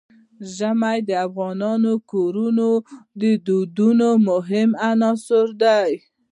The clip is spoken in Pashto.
ژمی د افغان کورنیو د دودونو مهم عنصر دی.